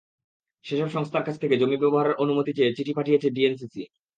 সেসব সংস্থার কাছ থেকে জমি ব্যবহারের অনুমতি চেয়ে চিঠি পাঠিয়েছে ডিএনসিসি।